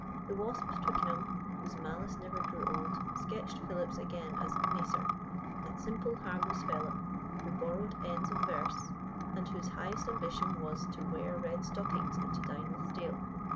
The wasp of Twickenham, whose malice never grew old, sketched Philips again as "Macer," a simple, harmless fellow, who borrowed ends of verse, and whose highest ambition was "to wear red stockings and to dine with Steele."